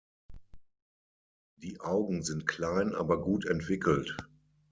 Die Augen sind klein, aber gut entwickelt.